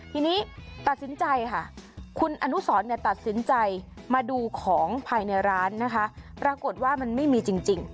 ทีนี้ตัดสินใจค่ะคุณอนุสรตัดสินใจมาดูของภายในร้านนะคะปรากฏว่ามันไม่มีจริง